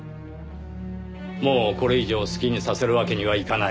もうこれ以上好きにさせるわけにはいかない。